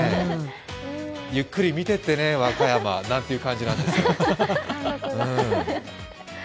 ゆっくり見てってね、和歌山、なんて感じなんですけど。